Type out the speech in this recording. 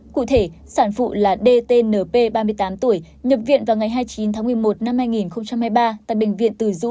cụ thể sản phụ là dtnp ba mươi tám tuổi nhập viện vào ngày hai mươi chín tháng một mươi một năm hai nghìn hai mươi ba tại bệnh viện từ dũ